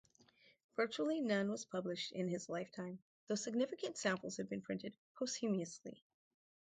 Virtually none was published in his lifetime, though significant samples have been printed posthumously.